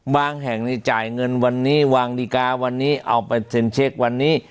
แห่งนี้จ่ายเงินวันนี้วางดีการ์วันนี้เอาไปเซ็นเช็ควันนี้